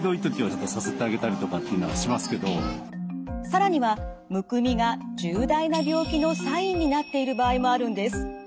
更にはむくみが重大な病気のサインになっている場合もあるんです。